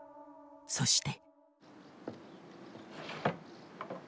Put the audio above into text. そして。